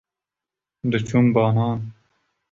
diçûn banan